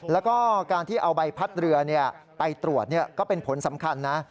แล้วก็การที่เอาใบพัดเรือไปตรวจก็เป็นผลสำคัญนะ